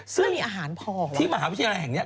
ซึ่งที่มหาวิทยาลัยแห่งเนี่ย